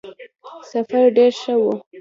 سفر ډېر ښه وو.